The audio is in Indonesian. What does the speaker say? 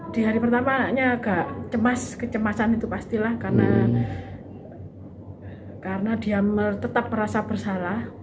di hari pertama anaknya agak cemas kecemasan itu pastilah karena dia tetap merasa bersalah